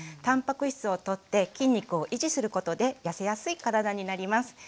たんぱく質をとって筋肉を維持することでやせやすい体になります。